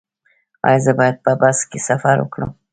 ایا زه باید په بس کې سفر وکړم؟